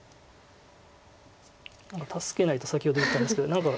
助けないと先ほど言ったんですけど何か。